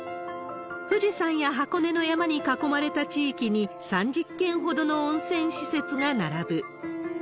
富士山や箱根の山に囲まれた地域に３０軒ほどの温泉施設が並ぶ。